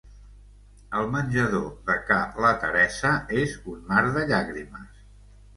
El menjador de ca la Teresa és un mar de llàgrimes.